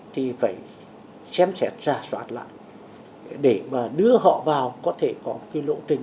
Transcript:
thì phải xem xét rà soát lại để mà đưa họ vào có thể có một cái lộ trình